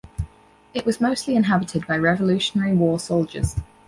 It was mostly inhabited by Revolutionary War soldiers.